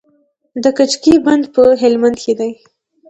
د کجکي بند په هلمند کې دی